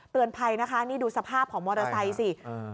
ภัยนะคะนี่ดูสภาพของมอเตอร์ไซค์สิ